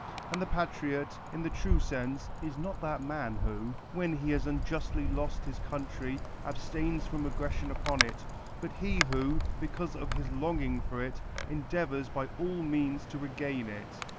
And the patriot, in the true sense, is not that man who, when he has unjustly lost his coun try, abstains from aggression upon it, but he who, because of his longing for it, endeavors by all means to regain it.